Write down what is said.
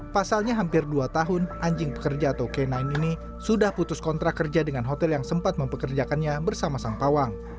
pasalnya hampir dua tahun anjing pekerja atau k sembilan ini sudah putus kontrak kerja dengan hotel yang sempat mempekerjakannya bersama sang pawang